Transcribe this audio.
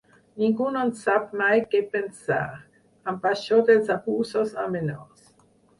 Ningú no sap mai què pensar, amb això dels abusos a menors.